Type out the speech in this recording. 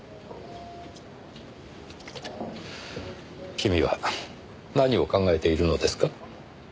君は何を考えているのですか？